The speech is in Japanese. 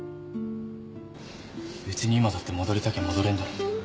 別に今だって戻りたきゃ戻れんだろ。